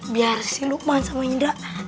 biar si lukman sama indah